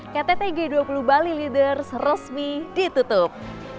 kttg dua puluh bali leaders resmi ditutup